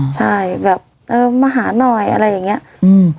ใช่แบบเออมาหาหน่อยอะไรอย่างเงี้ยอืม